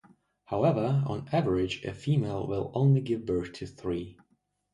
However, on average a female will only give birth to three.